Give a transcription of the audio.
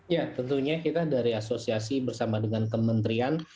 ya tentunya kita dari asosiasi bersama dengan kementerian